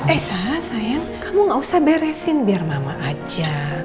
esa sayang kamu enggak usah beresin biar mama ajak